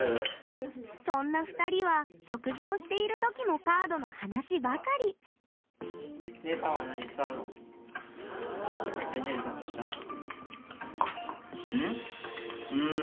そんな２人は食事をしている時もカードの話ばかりうん？